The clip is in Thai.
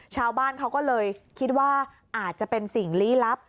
ชาวบ้านเขาก็เลยคิดว่าอาจจะเป็นสิ่งลี้ลับ